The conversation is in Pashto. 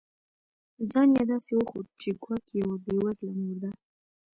ځان یې داسي وښود چي ګواکي یوه بې وزله مور ده